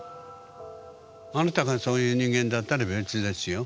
あなたがそういう人間だったら別ですよ。